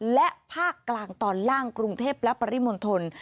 และภาคกลางตอนล่างกรุงเทพและปริมณฑล